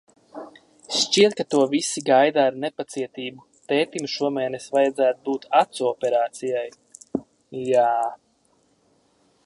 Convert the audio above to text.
Šķiet, ka to visi gaida ar nepacietību. Tētim šomēnes vajadzētu būt acu operācijai. Jā...